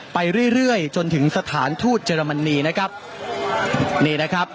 ไปเรื่อยเรื่อยจนถึงสถานทูตเยอรมนีนะครับนี่นะครับ